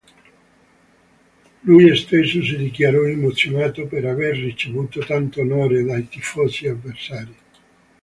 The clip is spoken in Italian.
Lui stesso si dichiarò emozionato per aver ricevuto tanto onore dai tifosi avversari.